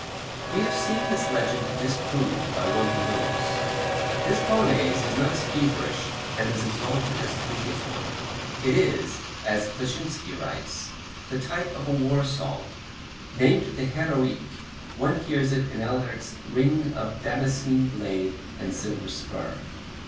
We have seen this legend disproved by one who knows. This Polonaise is not as feverish and as exalted as the previous one. It is, as Kleczynski writes, "the type of a war song." Named the Heroique, one hears in it Ehlert's "ring of damascene blade and silver spur."